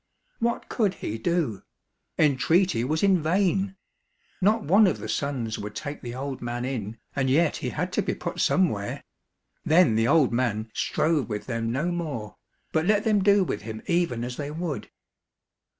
What could he do } Entreaty was in vain. Not one of the sons would take the old man in, and yet he had to be put somewhere. Then the old man strove with them no more, but let them do with him even as they would.